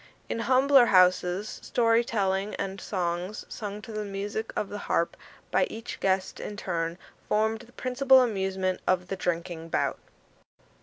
In humbler houses, story telling and songs, sung to the music of the harp by each guest in turn, formed the principal amusement of the drinking bout.